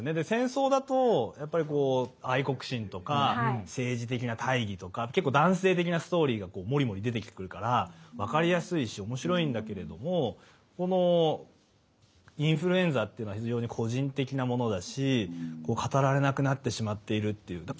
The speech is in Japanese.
戦争だとやっぱり愛国心とか政治的な大義とか結構男性的なストーリーがもりもり出てくるから分かりやすいし面白いんだけれどもこのインフルエンザっていうのは非常に個人的なものだし語られなくなってしまっているっていう。